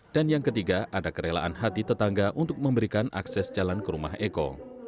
yang ketiga ada kerelaan hati tetangga untuk memberikan akses jalan ke rumah eko